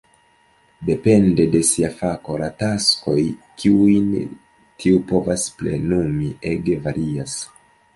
Depende de sia fako, la taskoj kiujn tiu povas plenumi ege varias.